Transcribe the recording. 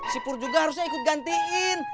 si pur juga harus saya ikut gantiin